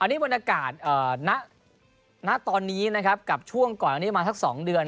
นี่บรรยากาศณตอนนี้นะครับกับช่วงก่อนอันนี้ประมาณสัก๒เดือน